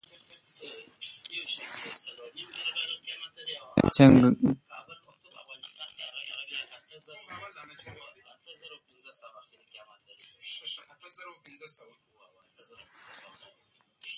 چنګلونه د افغانستان په طبیعت کې مهم رول لري.